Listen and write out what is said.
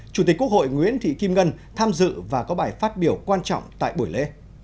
chủ tịch quốc hội nguyễn thị kim ngân tham dự và có bài phát biểu quan trọng tại buổi lễ